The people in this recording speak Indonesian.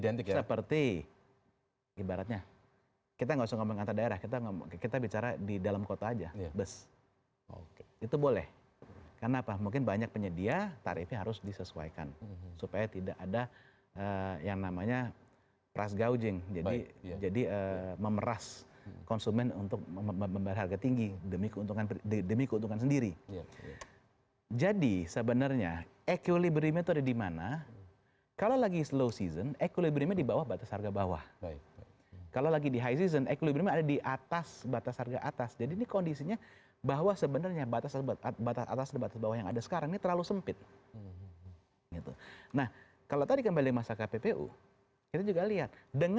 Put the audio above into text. nanti kita akan urai lebih lanjut